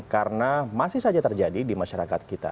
karena masih saja terjadi di masyarakat kita